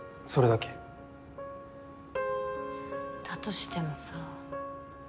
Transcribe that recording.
だとしてもさぁ。